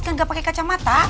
kan gak pake kacamata